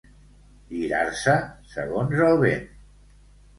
Girar-se segons el vent.